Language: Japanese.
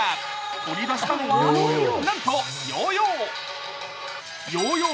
取り出したのは、なんとヨーヨー。